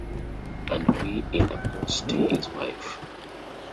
‘And me,’ interposed his wife.